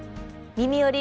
「みみより！